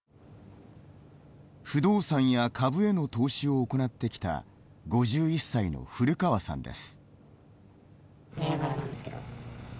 不動産や株への投資を行ってきた５１歳の古川さんです。